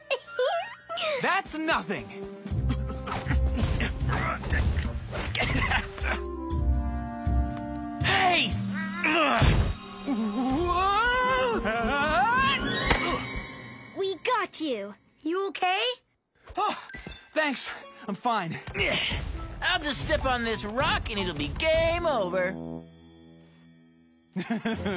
ウフフフ！